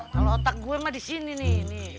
kalau otak gue mah disini nih